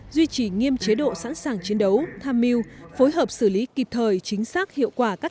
duy trì nghiêm chế độ sẵn sàng chiến đấu tham mưu phối hợp xử lý kịp thời chính xác hiệu quả các